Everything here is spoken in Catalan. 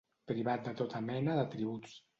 Privat de tota mena d'atributs.